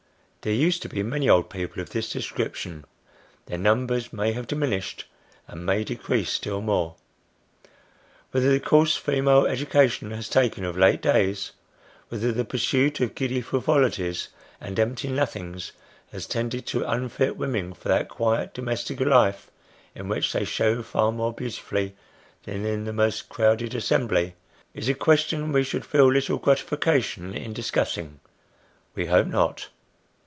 There used to be many old people of this description; their numbers may have diminished, and may decrease still more. Whether the course female education has taken of late days whether the pursuit of giddy frivolities, and empty nothings, has tended to unfit women for that quiet domestic life, in which they show far more beautifully than in the most crowded assembly, is a question we should feel little gratification in discussing : we hope not.